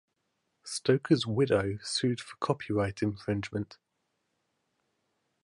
Stoker's widow sued for copyright infringement.